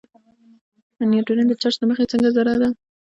نیوټرون د چارچ له مخې څنګه ذره ده.